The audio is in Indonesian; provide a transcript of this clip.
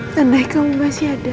tandai kamu masih ada